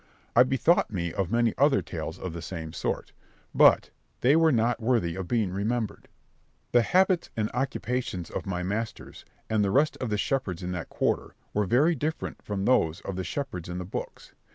I bethought me of many other tales of the same sort, but they were not worthy of being remembered. The habits and occupations of my masters, and the rest of the shepherds in that quarter, were very different from those of the shepherds in the books.